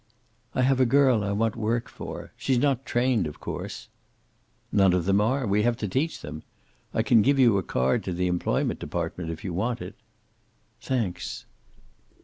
"I have a girl I want work for. She's not trained, of course." "None of them are. We have to teach them. I can give you a card to the employment department if you want it." "Thanks."